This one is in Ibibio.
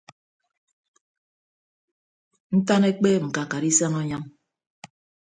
Ntan ekpeep ñkakat isañ ọnyọñ.